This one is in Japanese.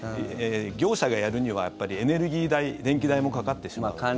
業者がやるにはエネルギー代電気代もかかってしまうので。